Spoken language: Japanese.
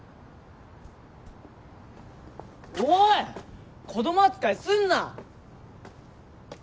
おい子供扱いすんな！